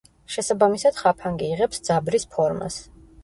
შესაბამისად ხაფანგი იღებს ძაბრის ფორმას.